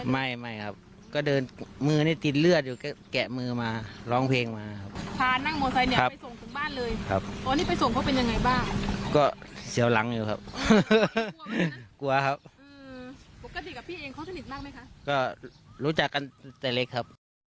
ไม่ครับก็เดินมือนี่ติดเลือดอยู่แกะมือมาร้องเพลงมาครับ